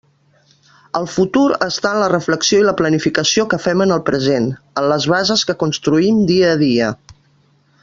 El futur està en la reflexió i la planificació que fem en el present, en les bases que construïm dia a dia.